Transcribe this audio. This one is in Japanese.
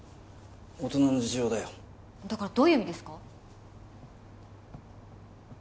大人の事情だよだからどういう意味ですか？